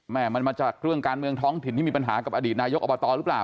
มันมาจากเรื่องการเมืองท้องถิ่นที่มีปัญหากับอดีตนายกอบตหรือเปล่า